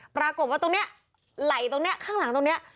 ปรากฏว่าตรงนี้ไหล่ตรงนี้ข้างหลังตรงนี้